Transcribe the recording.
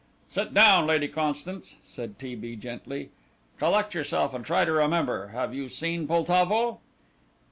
"Sit down, Lady Constance," said T. B. gently; "collect yourself and try to remember have you seen Poltavo?"